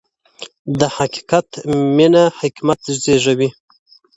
د حقیقت مینه حکمت زېږوي؛